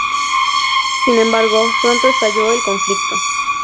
Sin embargo, pronto estalló el conflicto.